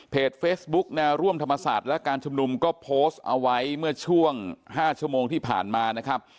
เฟซบุ๊คแนวร่วมธรรมศาสตร์และการชุมนุมก็โพสต์เอาไว้เมื่อช่วง๕ชั่วโมงที่ผ่านมานะครับ